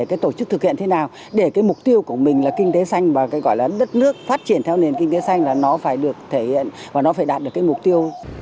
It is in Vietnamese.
cái tổ chức thực hiện thế nào để cái mục tiêu của mình là kinh tế xanh và cái gọi là đất nước phát triển theo nền kinh tế xanh là nó phải được thể hiện và nó phải đạt được cái mục tiêu